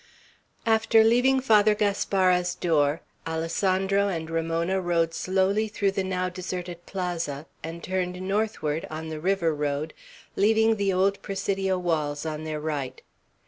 XIX AFTER leaving Father Gaspara's door, Alessandro and Ramona rode slowly through the now deserted plaza, and turned northward, on the river road, leaving the old Presidio walls on their right.